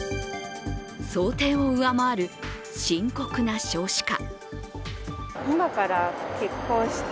想定を上回る深刻な少子化。